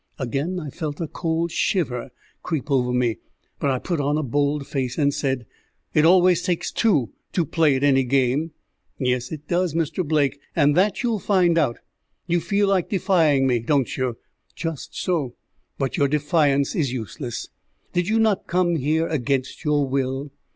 Again I felt a cold shiver creep over me, but I put on a bold face, and said, "It always takes two to play at any game." "Yes it does, Mr. Blake, and that you'll find out. You feel like defying me, don't you? Just so; but your defiance is useless. Did you not come here against your will?